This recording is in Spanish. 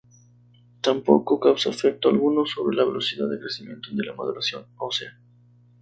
Tampoco causa efecto alguno sobre la velocidad de crecimiento ni la maduración ósea.